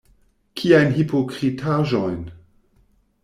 Kiajn hipokritaĵojn?